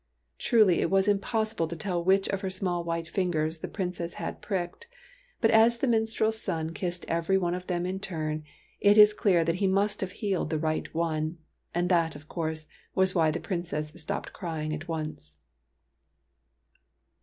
Truly, it was impossible to tell which of her small white fingers the Princess had pricked, but as the minstrel's son kissed every one of them in turn, it is clear that he must have healed the right one ; and that, of course, was why the Princess stopped crying at once.